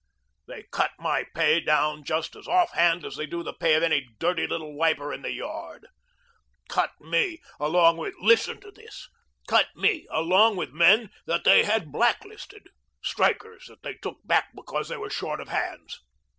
They cut my pay down just as off hand as they do the pay of any dirty little wiper in the yard. Cut me along with listen to this cut me along with men that they had BLACK LISTED; strikers that they took back because they were short of hands."